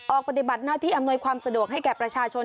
ปฏิบัติหน้าที่อำนวยความสะดวกให้แก่ประชาชน